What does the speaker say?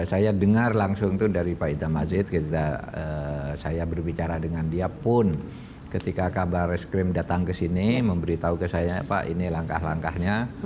saya dengar langsung itu dari pak ida mazid ketika saya berbicara dengan dia pun ketika kabar reskrim datang ke sini memberitahu ke saya pak ini langkah langkahnya